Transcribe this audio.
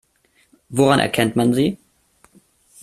Woran erkennt man sie?